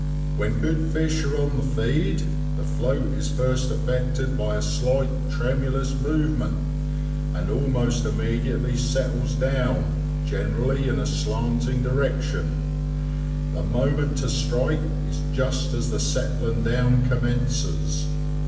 When good fish are on the feed, the float is first affected by a slight tremulous movement, and almost immediately settles down, generally in a slanting direction; the moment to strike is just as the settling down commences.